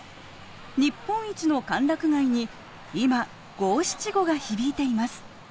日本一の歓楽街に今五七五が響いています。